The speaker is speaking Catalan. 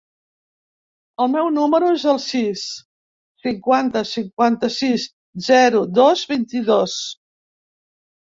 El meu número es el sis, cinquanta, cinquanta-sis, zero, dos, vint-i-dos.